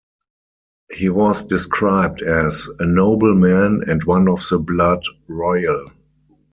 He was described as, "A noble man, and one of the blood royal".